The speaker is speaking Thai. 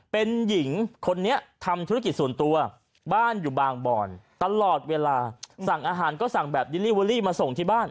เป็นหญิงคนนี้ทำธุรกิจส่วนตัวบ้านอยู่บางบ่อนตลอดเวลาสั่งอาหารก็สั่งแบบดิลลี่เวอรี่มาส่งที่บ้าน